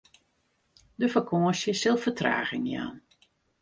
De fakânsje sil fertraging jaan.